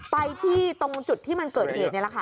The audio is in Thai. ไปที่ตรงจุดที่มันเกิดเหตุนี่แหละค่ะ